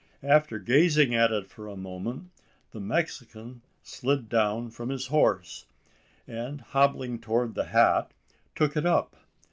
After gazing at it for a moment, the Mexican slid down from his horse; and, hobbling towards the hat, took it up.